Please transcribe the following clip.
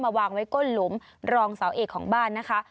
วางไว้ก้นหลุมรองเสาเอกของบ้านนะคะ